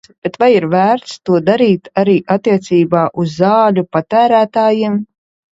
Bet vai ir vērts to darīt arī attiecībā uz zāļu patērētājiem?